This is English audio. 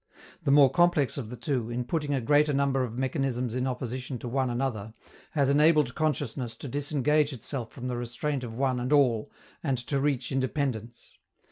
The more complex of the two, in putting a greater number of mechanisms in opposition to one another, has enabled consciousness to disengage itself from the restraint of one and all and to reach independence.